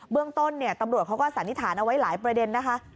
เรื่องต้นตำรวจเขาก็สันนิษฐานเอาไว้หลายประเด็นนะคะ